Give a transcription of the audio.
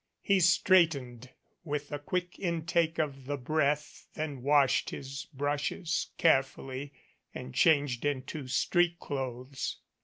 He straight ened with a quick intake of the breath, then washed his brushes carefully and changed into street clothes.